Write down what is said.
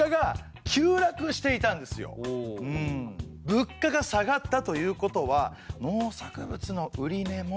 物価が下がったということは農作物の売値も。